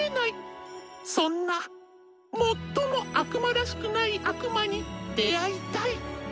そんな最も悪魔らしくない悪魔に出会いたい。